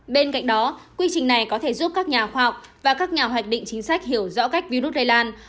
bên cạnh đó quy trình này có thể giúp các nhà khoa học và các nhà hoạch định chính sách hiểu rõ cách virus lây lan